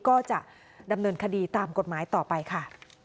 ก็จะดำเนินคดีตามกฎหมายต่อไปค่ะ